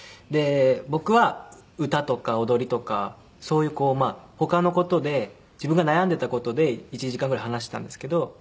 僕は歌とか踊りとかそういう他の事で自分が悩んでいた事で１時間ぐらい話したんですけど。